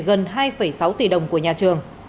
gần hai sáu tỷ đồng của nhà trường